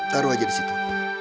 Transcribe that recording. taruh aja disitu